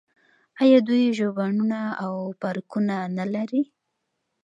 آیا دوی ژوبڼونه او پارکونه نلري؟